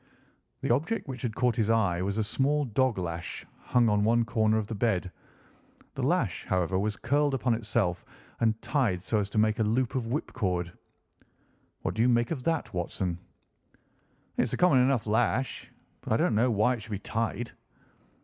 The object which had caught his eye was a small dog lash hung on one corner of the bed. The lash, however, was curled upon itself and tied so as to make a loop of whipcord. "What do you make of that, Watson?" "It's a common enough lash. But I don't know why it should be tied."